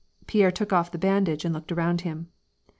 Pierre took off the ban dage and looked around him.